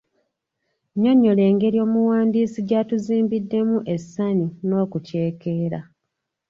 Nnyonnyola engeri omuwandiisi gy’atuzimbiddemu essanyu n’okuceekeera.